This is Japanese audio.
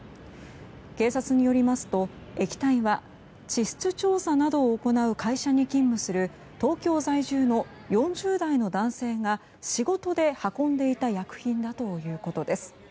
警察によりますと液体は地質調査などを行う会社に勤務する東京在住の４０代の男性が仕事で運んでいた薬品だということです。